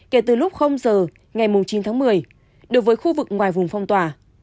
kể từ lúc giờ ngày chín tháng một mươi đối với khu vực ngoài vùng phong tỏa